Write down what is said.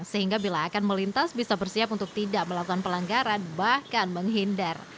sehingga bila akan melintas bisa bersiap untuk tidak melakukan pelanggaran bahkan menghindar